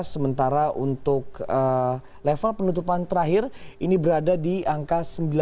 sementara untuk level penutupan terakhir ini berada di angka sembilan sembilan ratus dua puluh lima